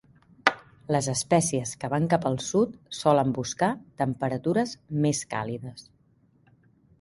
Les espècies que van cap al sud solen buscar temperatures més càlides.